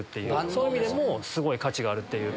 そういう意味でもすごい価値があるっていう。